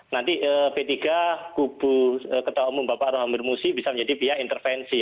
nanti p tiga kubu ketua umum bapak rohamir musi bisa menjadi pihak intervensi